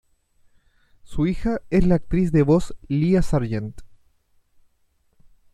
Su hija es la actriz de voz Lia Sargent.